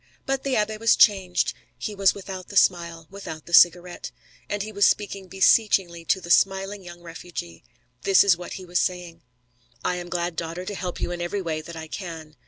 But the abbé was changed. He was without the smile, without the cigarette. And he was speaking beseechingly to the smiling young refugee. This is what he was saying: "I am glad, daughter, to help you in every way that I can.